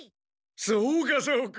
そうかそうか。